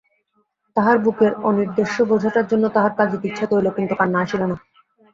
তাহার বুকের অনির্দেশ্য বোঝাটার জন্য তাহার কাঁদিতে ইচ্ছা করিল, কিন্তু কান্না আসিল না।